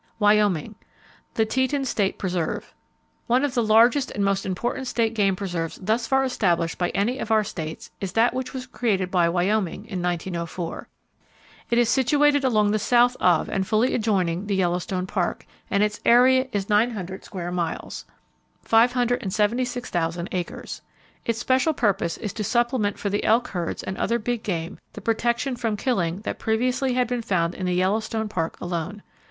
Wyoming: The Teton State Preserve. —One of the largest and most important state game preserves thus far established by any of our states is that which was created by Wyoming, in 1904. It is situated along the south of, and fully adjoining, the Yellowstone Park, and its area is 900 square miles (576,000 acres). Its special purpose is to supplement for the elk herds and other big game the protection from killing that previously had been found in the Yellowstone Park alone.